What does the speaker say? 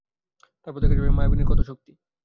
তার পর দেখা যাবে মায়াবিনীর কত শক্তি।